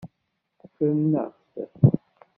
Ffren-aɣ-t.